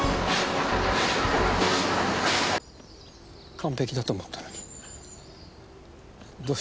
完璧だと思ったのにどうして？